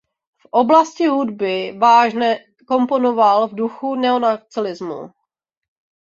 V oblasti hudby vážné komponoval v duchu neoklasicismu.